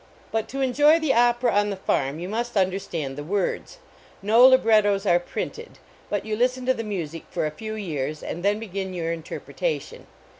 But to enjoy the opera on the farm you must understand the words No librettos are printed , but you listen to the music for a few years, and then begin your interpretation.